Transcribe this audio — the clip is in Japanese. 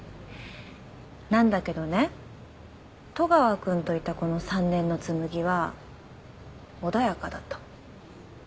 なんだけどね戸川君といたこの３年の紬は穏やかだったの。